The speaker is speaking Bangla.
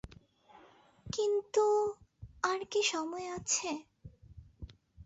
কিন্তু, আর কি সময় আছে?